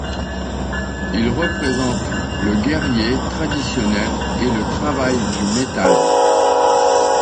Il représente le guerrier traditionnel et le travail du métal.